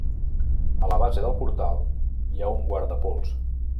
A la base del portal hi ha un guardapols.